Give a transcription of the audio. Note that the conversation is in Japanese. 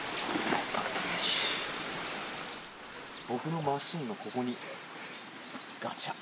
僕のマシンのここにガチャ。